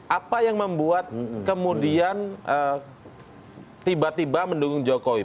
apa yang membuat kemudian tiba tiba mendukung jokowi